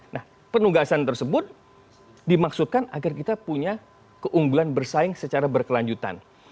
nah penugasan tersebut dimaksudkan agar kita punya keunggulan bersaing secara berkelanjutan